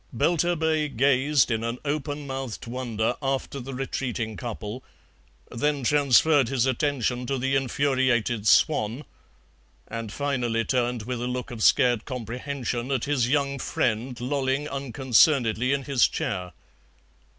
Belturbet gazed in an open mouthed wonder after the retreating couple, then transferred his attention to the infuriated swan, and finally turned with a look of scared comprehension at his young friend lolling unconcernedly in his chair.